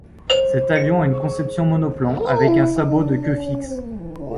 Cet avion a une conception monoplan avec un sabot de queue fixe.